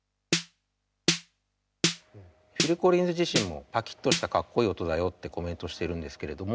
フィル・コリンズ自身もパキッとしたかっこいい音だよってコメントしてるんですけれども。